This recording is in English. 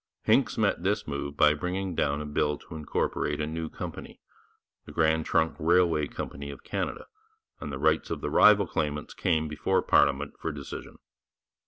Hincks met this move by bringing down a bill to incorporate a new company, the Grand Trunk Railway Company of Canada, and the rights of the rival claimants came before parliament for decision.